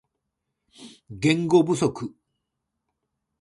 言語不足